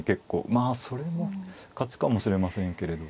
まあそれも勝ちかもしれませんけれど。